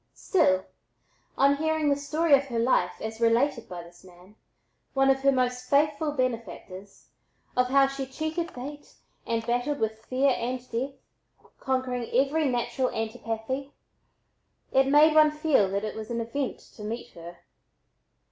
Still, on hearing the "story of her life" as related by this man, one of her most faithful benefactors, of how she cheated fate and battled with fear and death, conquering every natural antipathy, it made one feel that it was an event to meet her.